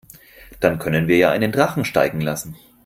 Dann können wir ja einen Drachen steigen lassen.